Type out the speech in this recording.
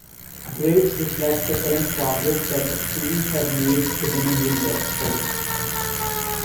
Grades reflect the current progress that students have made within a unit of study.